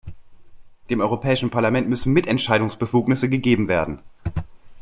Dem Europäischen Parlament müssen Mitentscheidungsbefugnisse gegeben werden.